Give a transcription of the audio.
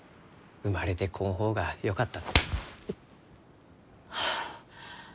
「生まれてこん方がよかった」